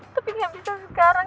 tapi gak bisa sekarang